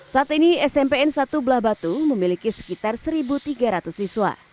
saat ini smpn satu belah batu memiliki sekitar satu tiga ratus siswa